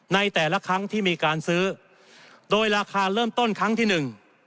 ในแต่ละครั้งที่มีการซื้อโดยราคาเริ่มต้นครั้งที่หนึ่ง